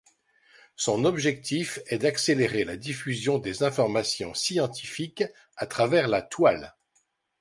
Son objectif est d'accélérer la diffusion des informations scientifiques à travers la toile.